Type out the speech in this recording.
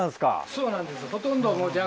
そうなんです。